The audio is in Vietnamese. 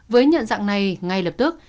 với nhận dạng này ngay lập tức